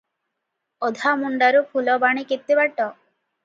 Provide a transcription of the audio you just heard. ଅଧାମୁଣ୍ଡାରୁ ଫୁଲବାଣୀ କେତେ ବାଟ?